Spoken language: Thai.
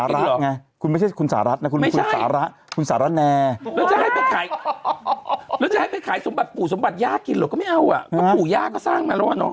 แล้วจะให้ไปขายสมบัติปู่สำหรับนะ